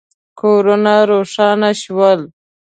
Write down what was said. کورونه روښانه شول.